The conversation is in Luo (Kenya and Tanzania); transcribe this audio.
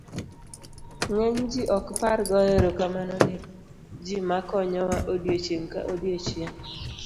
ng'eny ji ok par goyo erokamano ni ji makonyowa odiochieng' ka odiochieng'